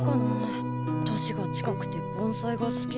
年が近くて盆栽が好きな子。